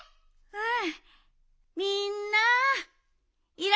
うん！